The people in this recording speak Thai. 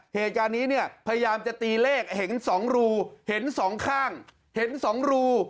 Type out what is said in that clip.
เหตุการณ์นี้เนี่ยพยายามจะตีเลขเห็น๒รูเห็นสองข้างเห็น๒รู